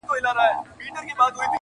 تا ته د جلاد له سره خنجره زندان څه ویل!